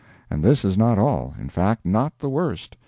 And this is not all in fact, not the worst.